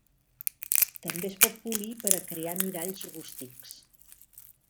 També es pot polir per a crear miralls rústics.